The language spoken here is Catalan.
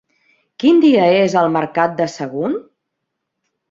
Quin dia és el mercat de Sagunt?